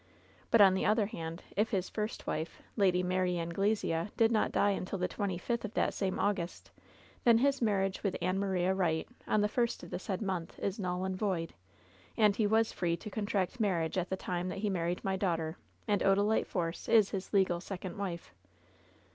But, on the other hand, if his first wife. Lady Mary Anglesea, did not die imtil the twenty fifth of that same August, then his marriage with Ann Maria Wright, on the first of the said month, is null and voil, and he was free to contract marriage at the time that he married my daughter, and Odalite Force is his legal sec ond wife.'